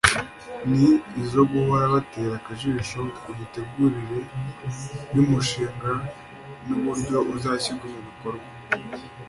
ni izo guhora batera akajisho ku mitegurirwe y’umushinga n’uburyo uzashyirwa mu bikorwa